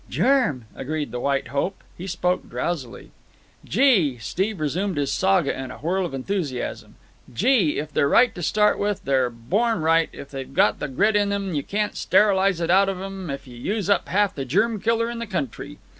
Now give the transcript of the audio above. "Germ," agreed the White Hope. He spoke drowsily. "Gee!" Steve resumed his saga in a whirl of enthusiasm. "Gee! if they're right to start with, if they're born right, if they've got the grit in them, you can't sterilize it out of 'em if you use up half the germ killer in the country.